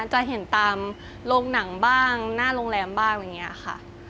จะเห็นตามโรงหนังบ้างหน้าโรงแรมบ้างอย่างนี้ค่ะ